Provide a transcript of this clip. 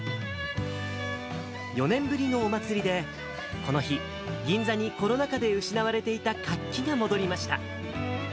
４年ぶりのお祭りで、この日、銀座にコロナ禍で失われていた活気が戻りました。